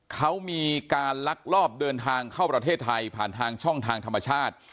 เขามีการลักลอบเดินทางเข้าประเทศไทยผ่านทางช่องทางธรรมชาติ